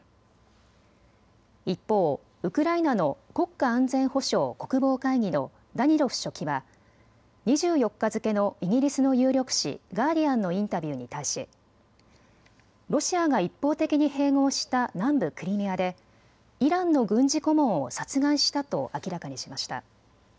一方、ウクライナの国家安全保障・国防会議のダニロフ書記は２４日付けのイギリスの有力紙、ガーディアンのインタビューに対し、ロシアが一方的に併合した南部クリミアでイランの軍事顧問を殺害したと明らかにしました。